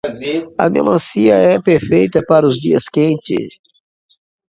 A melancia é perfeita para os dias quentes.